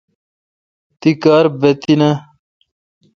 تی کار بہ تی ناں